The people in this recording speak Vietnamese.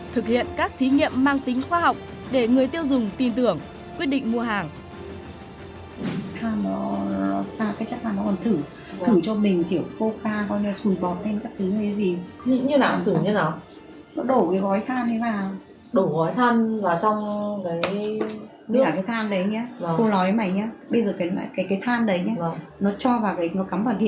thực hiện các thí nghiệm mang tính khoa học để người tiêu dùng tin tưởng quyết định mua hàng